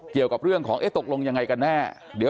เกี่ยวกับเรื่องของเอ๊ะตกลงยังไงกันแน่